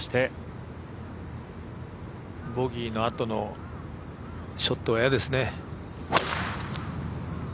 ボギーのあとのショットは嫌ですね。